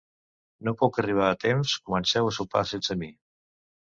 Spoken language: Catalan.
No puc arribar a temps, comenceu a sopar sense mi.